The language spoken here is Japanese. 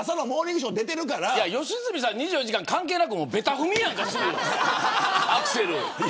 良純さん２４時間関係なくべた踏みでしょ。